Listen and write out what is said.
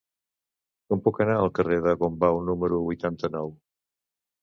Com puc anar al carrer de Gombau número vuitanta-nou?